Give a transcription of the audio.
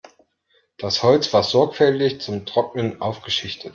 Das Holz war sorgfältig zum Trocknen aufgeschichtet.